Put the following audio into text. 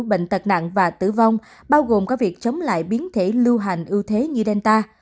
bệnh tật nặng và tử vong bao gồm có việc chống lại biến thể lưu hành ưu thế như delta